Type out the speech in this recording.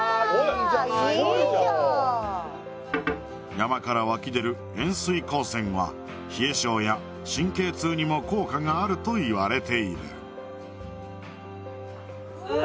山から湧き出る塩水鉱泉は冷え性や神経痛にも効果があるといわれているうわ